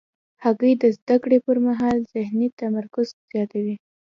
هګۍ د زده کړې پر مهال ذهني تمرکز زیاتوي.